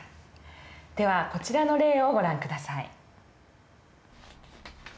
ではこちらの例をご覧下さい。